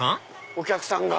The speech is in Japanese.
お客さんが。